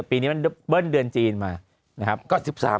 ปีนี้อนเบิ้ลเดือนที่จีนมา